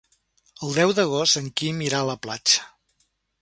El deu d'agost en Quim irà a la platja.